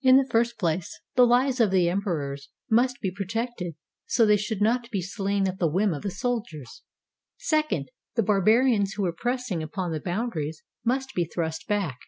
In the first place, the lives of the emperors must be pro tected so they should not be slain at the whim of the soldiers. Second, the barbarians who were pressing upon the boundaries must be thrust back.